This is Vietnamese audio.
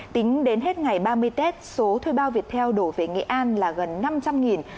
tính đến hết ngày ba mươi tết số thuê bao viettel đổ về nghệ an là gần năm trăm linh